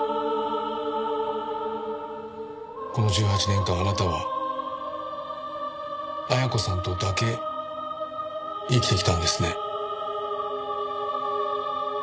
この１８年間あなたは恵子さんとだけ生きてきたんですね。